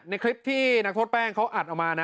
ในคลิปที่นักโทษแป้งเขาอัดออกมานะ